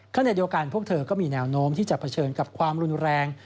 ขณะเดียวกันพวกเธอก็มีแนวโน้มที่จะเผชิญกับความรุนแรง